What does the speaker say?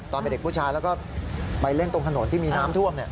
ตอนเป็นเด็กผู้ชายแล้วก็ไปเล่นตรงถนนที่มีน้ำท่วม